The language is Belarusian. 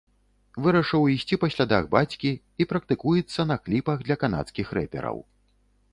Вырашыў ісці па слядах бацькі і практыкуецца на кліпах для канадскіх рэпераў.